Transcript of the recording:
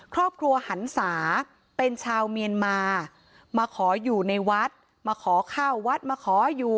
ครอบครัวหันศาเป็นชาวเมียนมามาขออยู่ในวัดมาขอข้าววัดมาขออยู่